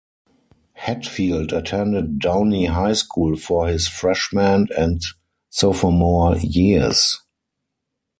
Hetfield attended Downey High School for his freshman and sophomore years.